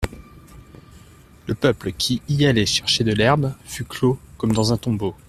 Le peuple, qui y allait chercher de l'herbe, fut clos comme dans un tombeau.